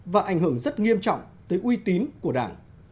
và ảnh hưởng rất nghiêm trọng tới uy tín của đảng